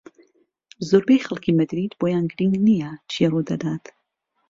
زۆربەی خەڵکی مەدرید بۆیان گرنگ نییە چی ڕوودەدات.